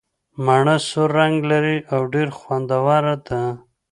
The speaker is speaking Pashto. مڼه سور رنګ لري او ډېره خوندوره ده.